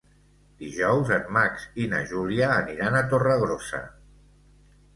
Dijous en Max i na Júlia aniran a Torregrossa.